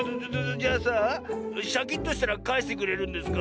じゃあさシャキッとしたらかえしてくれるんですか？